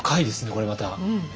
これまた。